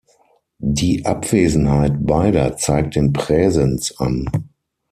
Die Abwesenheit beider zeigt den Präsens an.